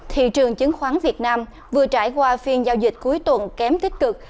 thị trường chứng khoán việt nam vừa trải qua phiên giao dịch cuối tuần kém tích cực